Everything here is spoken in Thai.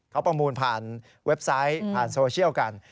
เขาประมูลผ่านเว็บไซต์ผ่านโซเชียลกัน